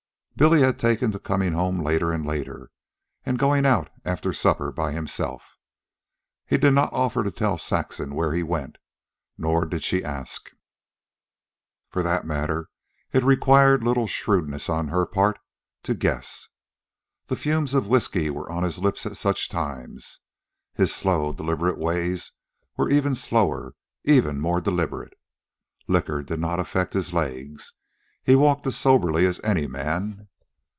Billy had taken to coming home later and later, and to going out after supper by himself. He did not offer to tell Saxon where he went. Nor did she ask. For that matter it required little shrewdness on her part to guess. The fumes of whisky were on his lips at such times. His slow, deliberate ways were even slower, even more deliberate. Liquor did not affect his legs. He walked as soberly as any man.